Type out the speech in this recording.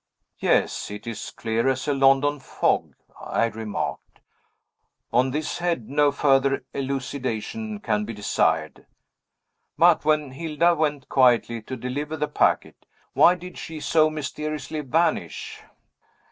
"Yes, it is clear as a London fog," I remarked. "On this head no further elucidation can be desired. But when Hilda went quietly to deliver the packet, why did she so mysteriously vanish?"